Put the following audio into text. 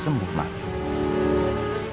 nggak usah mikirin kerjaan